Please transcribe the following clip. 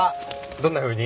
どんなふうに？